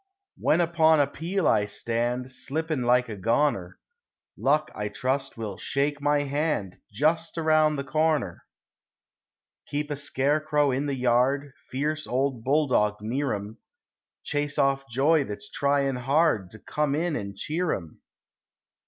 When upon a peel I stand, Slippin' like a goner, Luck, I trust, will shake my hand Just around the corner. Keep a scarecrow in the yard, Fierce old bulldog near 'em; Chase off joy that's tryin' hard To come in an' cheer 'em.